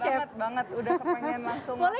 iya banget banget udah kepengen langsung